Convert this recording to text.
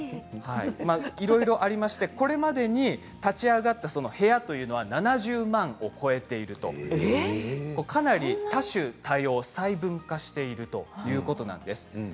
これまでに立ち上がった部屋というのは７０万を超えているとかなり多種多様、細分化しているということなんです。